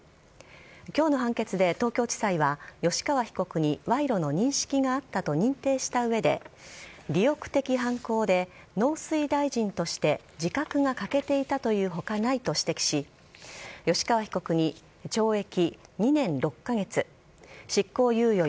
今日の判決で東京地裁は吉川被告に賄賂の認識があったと認定した上で利欲的犯行で、農水大臣として自覚が欠けていたという他ないと指摘し吉川被告に懲役２年６カ月執行猶予